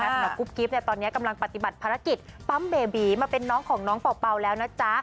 สำหรับกุ๊บกิ๊บเนี่ยตอนเนี้ยกำลังปฏิบัติภารกิจปั๊มเบบีมาเป็นน้องของน้องเป่าเป่าแล้วนะจ๊ะ